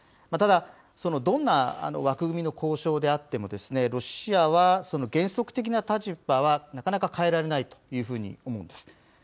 ただ、どんな枠組みの交渉であってもですね、ロシアは原則的な立場はなかなか変えられないというふうに思うんです。